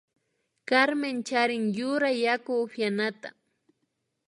Carmen charin shuk yura yaku upyanata